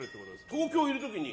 東京いる時に。